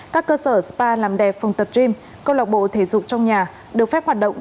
các cơ sở spa làm đẹp phòng tập gym câu lạc bộ thể dục trong nhà được phép hoạt động